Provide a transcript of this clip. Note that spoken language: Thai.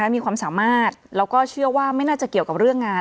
มีความสามารถแล้วก็เชื่อว่าไม่น่าจะเกี่ยวกับเรื่องงาน